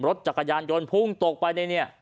รถจักรยานยนต์พุ่งตกไปเลยเนี่ย